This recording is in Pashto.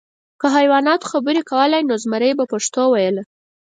که حیواناتو خبرې کولی، نو زمری به پښتو ویله .